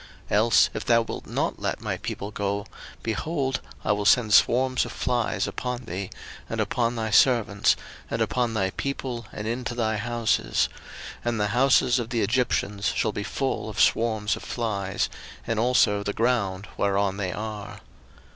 02:008:021 Else, if thou wilt not let my people go, behold, I will send swarms of flies upon thee, and upon thy servants, and upon thy people, and into thy houses: and the houses of the Egyptians shall be full of swarms of flies, and also the ground whereon they are.